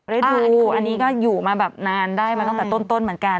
ดูอันนี้ก็อยู่มาแบบนานได้มาตั้งแต่ต้นเหมือนกัน